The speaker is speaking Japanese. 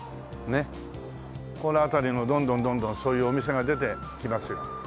この辺りもどんどんどんどんそういうお店が出てきますよ。